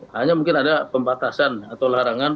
hanya mungkin ada pembatasan atau larangan